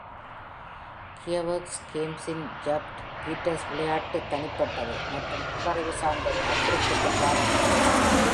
கியர்வர்க் கேம்ஸின் Jeff Peters விளையாட்டு தனிப்பட்டது மற்றும் உள்ளறிவு சார்ந்தது என குறிப்பிட்டு பாராட்டினார்.